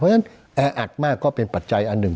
เพราะฉะนั้นแออัดมากก็เป็นปัจจัยอันหนึ่ง